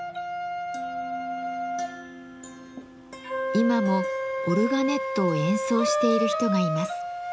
今もオルガネットを演奏している人がいます。